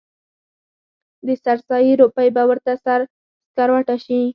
د سر سایې روپۍ به ورته سره سکروټه شي.